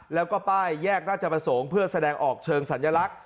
แล้วก็ป้ายแยกราชประสงค์เพื่อแสดงออกเชิงสัญลักษณ